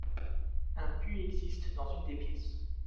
Un puits existe dans une des pièces.